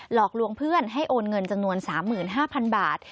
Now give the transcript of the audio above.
หลอกลวงเพื่อนให้โอนเงินจำนวน๓๕๐๐๐บาท